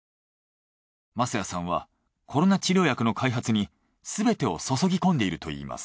舛屋さんはコロナ治療薬の開発にすべてを注ぎ込んでいるといいます。